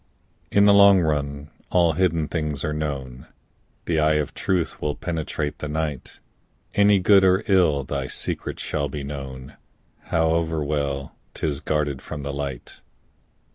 In the long run all hidden things are known, The eye of truth will penetrate the night, And good or ill, thy secret shall be known, However well 'tis guarded from the light.